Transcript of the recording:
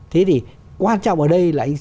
thế thì quan trọng ở đây là